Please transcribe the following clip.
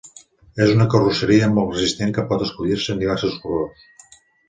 És una carrosseria molt resistent que pot escollir-se en diversos colors.